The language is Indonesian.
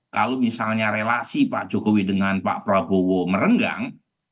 kalau misalnya relasi pak jokowi dengan pak prabowo merenggang